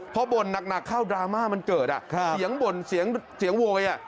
เพราะบ่นนักเข้าดราม่ามันเกิดอ่ะเสียงบ่นเสียงโว๊ยอ่ะ